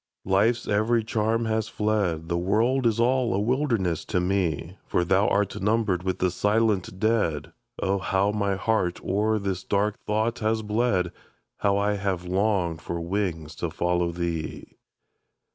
Life's every charm has fled, The world is all a wilderness to me; "For thou art numbered with the silent dead." Oh, how my heart o'er this dark thought has bled! How I have longed for wings to follow thee!